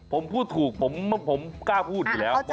ผมพูดถูกผมกล้าพูดอยู่แล้ว